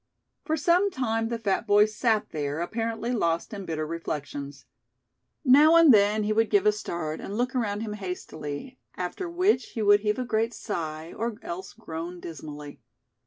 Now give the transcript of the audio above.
For some time the fat boy sat there, apparently lost in bitter reflections. Now and then he would give a start, and look around him hastily, after which he would heave a great sigh, or else groan dismally.